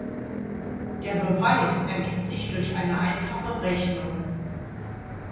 Der "Beweis" ergibt sich durch eine einfache Rechnung.